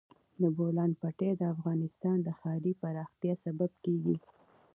د بولان پټي د افغانستان د ښاري پراختیا سبب کېږي.